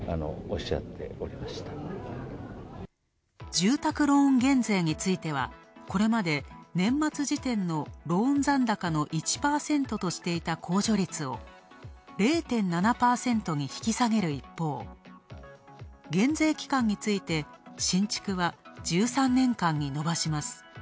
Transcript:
住宅ローン減税については、これまで年末時点のローン残高の１％としていた控除率を、０．７％に引き下げる一方、減税期間について、新築は１３年間に延ばします。